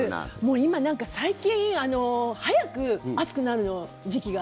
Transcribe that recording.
もう今、なんか最近早く暑くなるの、時期が。